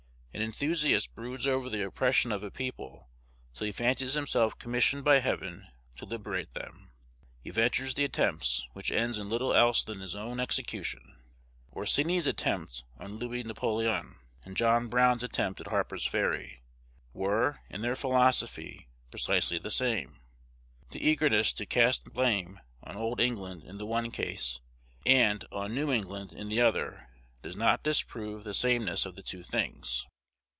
An enthusiast broods over the oppression of a people till he fancies himself commissioned by Heaven to liberate them. He ventures the attempt, which ends in little else than in his own execution. Orsini's attempt on Louis Napoleon, and John Brown's attempt at Harper's Ferry, were, in their philosophy, precisely the same. The eagerness to cast blame on old England in the one case, and on New England in the other, does not disprove the sameness of the two things.